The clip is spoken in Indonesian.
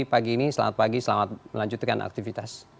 pagi ini selamat pagi selamat melanjutkan aktivitas